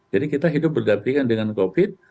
jadi kita hidup berdampingan dengan covid